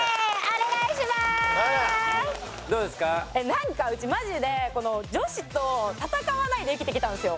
なんかうちマジで女子と戦わないで生きてきたんですよ。